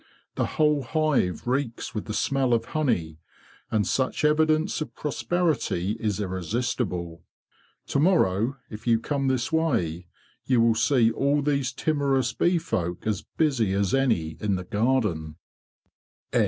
The whole hive reeks with the smell of honey, and such evidence of prosperity is irresistible. To morrow, if you come this way, you will see all these timorous bee folk as busy as any in the garden."